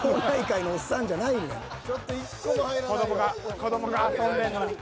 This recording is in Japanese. ［子供が子供が遊んでんのに］